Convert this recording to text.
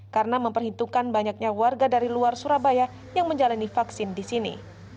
karena memperhitungkan banyaknya warga dari luar surabaya yang menjalani vaksin di sini